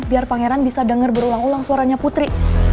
biar pangeran bisa dengar berulang ulang suaranya putri